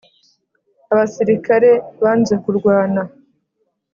Abasirikare banze kurwana.